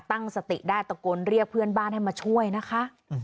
ตั้งสติได้ตะโกนเรียกเพื่อนบ้านให้มาช่วยนะคะ